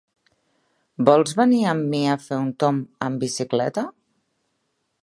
Vols venir amb mi a fer un tomb amb bicicleta?